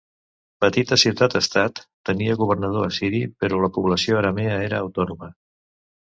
Petita ciutat-estat, tenia governador assiri però la població aramea era autònoma.